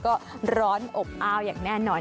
ก็ร้อนอบอ้าวอย่างแน่นอน